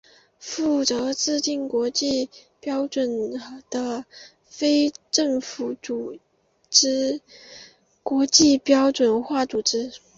负责制定国际标准的非政府组织国际标准化组织。